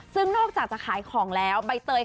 ซึ่งนอกจากจะขายของแล้ว